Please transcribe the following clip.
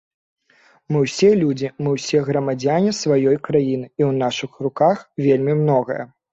Мы ўсе людзі, мы ўсе грамадзяне сваёй краіны, і ў нашых руках вельмі многае.